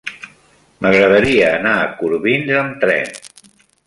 M'agradaria anar a Corbins amb tren.